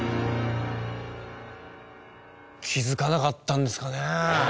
気づかなかったんですかね？